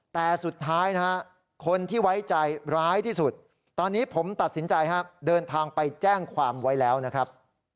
แต่สุดท้ายนะฮะคนที่ไว้ใจร้ายที่สุดตอนนี้ผมตัดสินใจฮะเดินทางไปแจ้งความไว้แล้วนะครับ